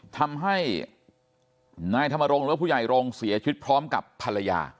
ทำให้นายธรรมรงค์หรือว่าผู้ใหญ่รงค์เสียชีวิตพร้อมกับภรรยา